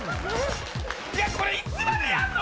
これいつまでやんの？